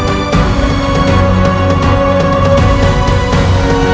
kasihan sekali kau tapi